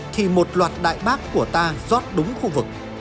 thì một loạt đại bác của ta rót đúng khu vực